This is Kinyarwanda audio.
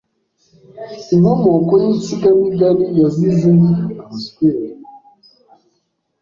Inkomoko y’Insigamigani Yazize Abaswere